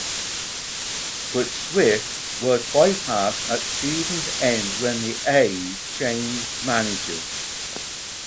But Swift was bypassed at season's end when the A's changed managers.